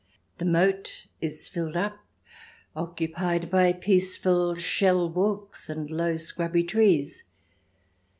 The moat is filled up, occupied by peaceful shell walks and low, scrubby trees.